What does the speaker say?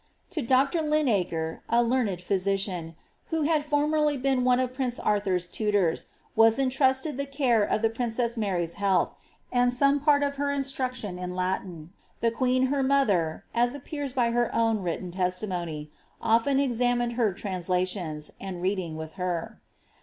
To Dr. Linacre, the learned physician, who had formerly been one of prince Arthur's tutors,' was entrusted the care of the princess Mary's health, and some part of her instruction in Latin ; the queen her mother Tas appears by her own written testimony) often examining her translations, and reading with her.